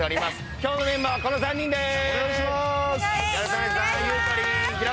今日のメンバーはこの３人です。